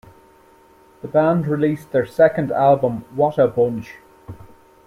The band released their second album Wotabunch!